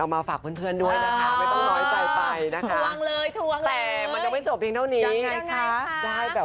เอามาฝากเพื่อนด้วยนะคะ